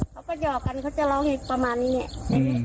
เขาก็หยอกกันเขาจะร้องอีกประมาณนี้ไง